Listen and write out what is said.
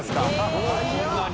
發こんなに。